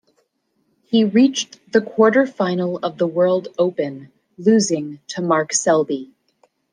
He reached the quarter-final of the World Open, losing to Mark Selby.